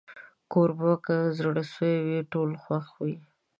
کوربه که زړه سوي وي، ټول خوښ وي.